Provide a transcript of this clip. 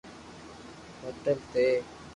ھوٽل تي